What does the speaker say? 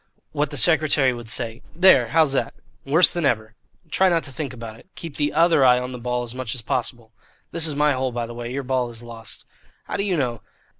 What the secretary would say There! How's that?" "Worse than ever." "Try not to think about it. Keep the other eye on the ball as much as possible. This is my hole, by the way. Your ball is lost." "How do you know?"